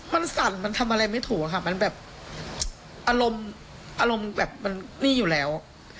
มันสั่นมันทำอะไรไม่ถูกอะค่ะมันแบบอารมณ์อารมณ์แบบมันนี่อยู่แล้ว